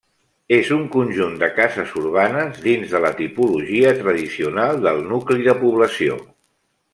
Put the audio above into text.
És un conjunt de cases urbanes dins de la tipologia tradicional del nucli de població.